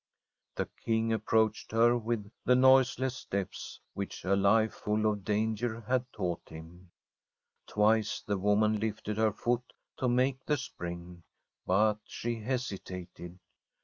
, The King approached her with the noiseless steps which a life full of danger had taught him. Twice the woman lifted her foot to make the spring, but she hesitated.